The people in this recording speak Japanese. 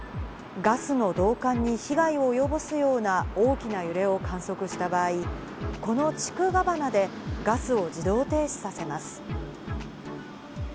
ガスの導管に被害を及ぼすような大きな揺れを観測した場合、この地区ガバナでガスを自動停止させます。